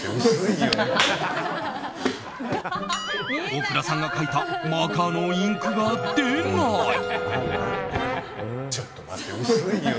大倉さんが書いたマーカーのインクが出ない！